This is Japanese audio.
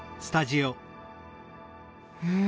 うん。